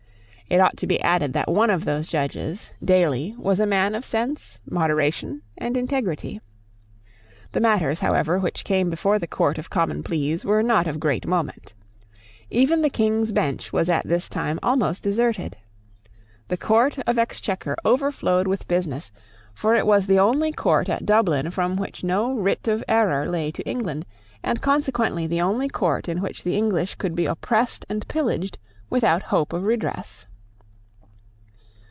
It ought to be added that one of those judges, Daly, was a man of sense, moderation and integrity. The matters however which came before the Court of Common Pleas were not of great moment. Even the King's Bench was at this time almost deserted. The Court of Exchequer overflowed with business; for it was the only court at Dublin from which no writ of error lay to England, and consequently the only court in which the English could be oppressed and pillaged without hope of redress.